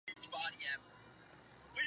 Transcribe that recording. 返台后任教则于台湾大学中文系。